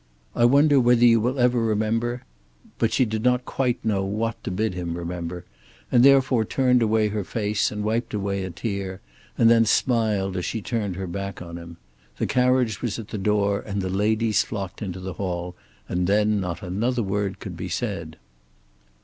"I wonder whether you will ever remember " But she did not quite know what to bid him remember, and therefore turned away her face and wiped away a tear, and then smiled as she turned her back on him. The carriage was at the door, and the ladies flocked into the hall, and then not another word could be said.